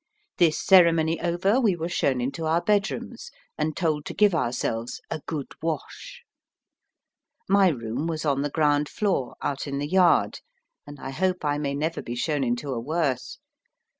This ceremony over, we were shown into our bedrooms, and told to give ourselves "a good wash." My room was on the ground floor, out in the yard: and I hope I may never be shown into a worse.